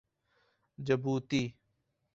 Djibouti